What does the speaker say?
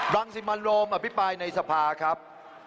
รังสิมันโรมอภิปรายในสภาครับ